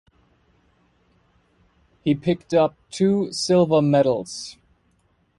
He picked up two silver medals.